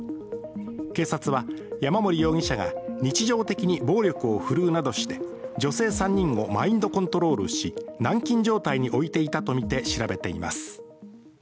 警察は山森容疑者が日常的に暴力を振るうなどして女性３人をマインドコントロールし軟禁状態に置いていたとみて調べています。